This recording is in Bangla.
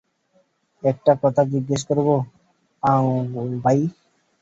একটা কথা জিজ্ঞেস করবো গাঙুবাই?